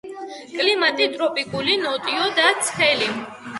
კლიმატი ტროპიკული, ნოტიო და ცხელი.